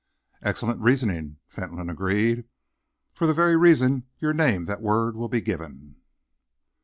"Excellent reasoning," Fentolin agreed. "For the very reasons you name that word will be given."